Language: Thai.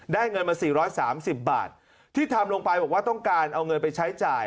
เงินมา๔๓๐บาทที่ทำลงไปบอกว่าต้องการเอาเงินไปใช้จ่าย